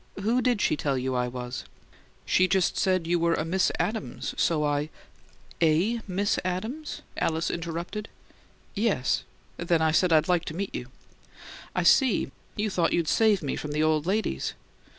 "Who did she tell you I was?" "She just said you were a Miss Adams, so I " "'A' Miss Adams?" Alice interrupted. "Yes. Then I said I'd like to meet you." "I see. You thought you'd save me from the old ladies."